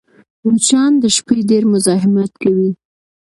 مچان د شپې ډېر مزاحمت کوي